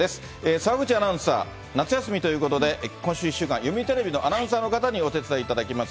澤口アナウンサー、夏休みということで、今週１週間、読売テレビのアナウンサーの方にお手伝いいただきます。